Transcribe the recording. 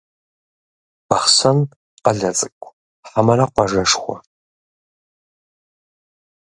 Бахъсэн къалэ цӏыкӏу хьэмэрэ къуажэшхуэ?